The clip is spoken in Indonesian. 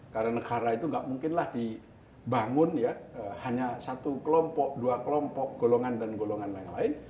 karena negara itu tidak mungkinlah dibangun ya hanya satu kelompok dua kelompok golongan dan golongan lain lain